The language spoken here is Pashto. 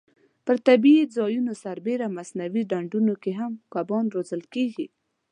پر طبیعي ځایونو سربېره مصنوعي ډنډونو کې هم کبان روزل کېږي.